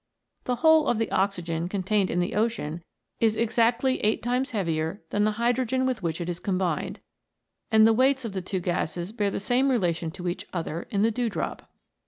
The whole of the oxygen contained in the ocean is exactly eight times heavier than the hydrogen with which it is combined, and the weights of the two gases bear the same relation to each other in the dew drop.